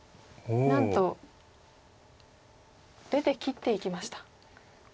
なんと出て切っていきました。